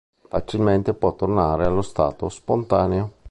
Facilmente può tornare allo stato spontaneo.